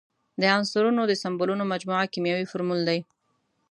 د عنصرونو د سمبولونو مجموعه کیمیاوي فورمول دی.